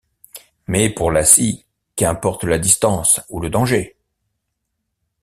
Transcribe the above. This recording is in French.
Mais pour Lassie, qu'importe la distance ou le danger.